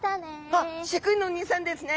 あっ飼育員のおにいさんですね。